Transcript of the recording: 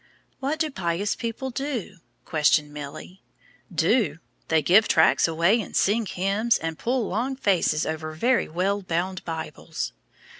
"What do pious people do?" questioned Milly. "Do! They give tracts away and sing hymns, and pull long faces over very well bound Bibles."